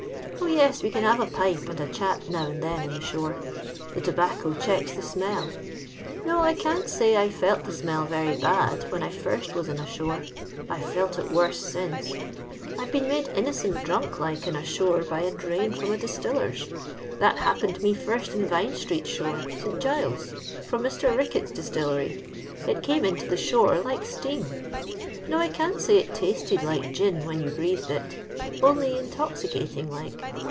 Oh, yes, we cm have a pipe and a chat now and then in the sktn. The tobacco checks the smell. No, I can't say I felt the smell very bad when I first was ia i shore. I 've felt it worse since. I 're been meds innocent drunk like in a shore by a drain fitma distiller's. That happened me first in Vine stzcsc shore, St. Giles's, from Mr. Rickett's distilJeiT. It came into the shore like steam. No, I esal say it tasted like gin when yoa breathed it— only intoxicating like.